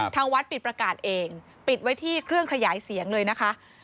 ทางวัดปิดประกาศเองปิดไว้ที่เครื่องขยายเสียงเลยนะคะ